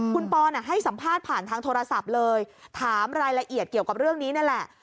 คุณปอนให้สัมภาษณ์ผ่านทางโทรศัพท์เลยถามรายละเอียดเกี่ยวกับเรื่องนี้นั่นแหละ